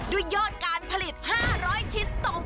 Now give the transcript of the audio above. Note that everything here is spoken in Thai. ด้วยยอดการผลิต๕๐๐ชิ้นตก